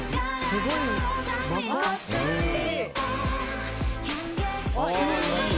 すごいね。